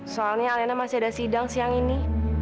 soalnya alena masih ada sidang siang ini